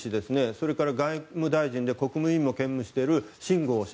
それから外務大臣で国務委員も兼務しているシン・ゴウ氏。